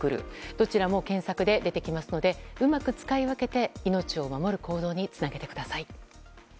どちらも検索で出てきますのでうまく使い分けて命を守る行動につなげてください。